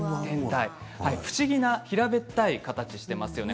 不思議な平べったい形をしていますね。